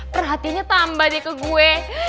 perhatiannya tambah deh ke gue